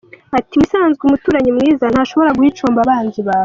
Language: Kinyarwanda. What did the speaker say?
Ati “Mu bisanzwe, umuturanyi mwiza ntashobora guha icumbi abanzi bawe.